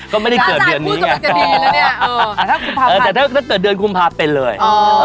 ก็ไม่ได้เกิดเดือนนี้ไงแต่ถ้าเกิดเดือนกุมภาพเป็นเลย